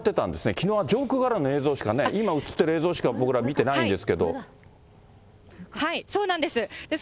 きのうは上空からの映像しかね、今映ってる映像しか、そうなんです、です